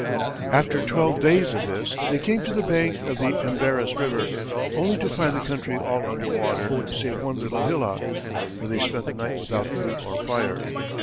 After twelve days of this, they came to the bank of the Embarass river, only to find the country all under water, save one little hillock, where they spent the night without food or fire.